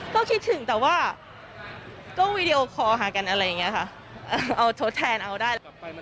ก็คิดถึงแต่ว่าก็วีดีโอคอลหากันอะไรอย่างนี้ค่ะเอาทดแทนเอาได้